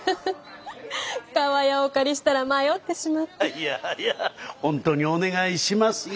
いやいや本当にお願いしますよ。